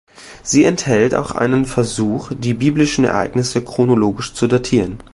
Sie enthält auch einen Versuch, die biblischen Ereignisse chronologisch zu datieren.